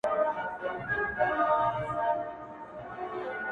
پرده به خود نو. گناه خوره سي.